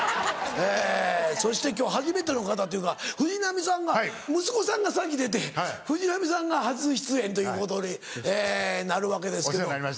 そして今日初めての方っていうか藤波さんが息子さんが先出て藤波さんが初出演ということになるわけですけど。